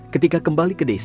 ketika kembali ke desa